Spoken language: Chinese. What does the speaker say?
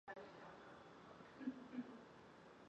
马坦萨斯穴鼠是古巴特有的一种棘鼠科。